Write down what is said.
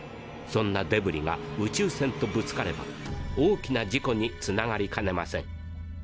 そんなデブリが宇宙船とぶつかれば大きな事故につながりかねません。